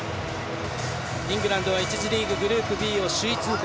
イングランドは１次リーググループＢを首位通過。